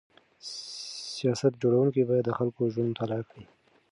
سیاست جوړونکي باید د خلکو ژوند مطالعه کړي.